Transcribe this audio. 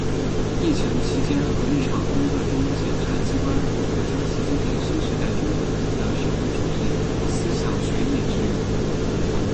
疫情期间和日常工作中检察机关如何将习近平新时代中国特色社会主义思想学以致用